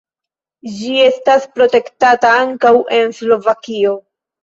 Ĝi estas protektata ankaŭ en Slovakio.